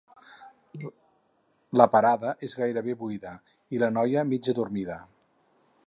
La parada és gairebé buida i la noia mig adormida.